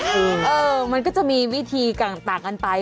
เออมันก็จะมีวิธีต่างกันไป